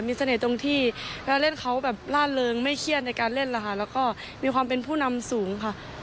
มีเสน่ห์ตรงที่เวลาเล่นเขาแบบล่าเริงไม่เครียดในการเล่นแล้วค่ะแล้วก็มีความเป็นผู้นำสูงค่ะ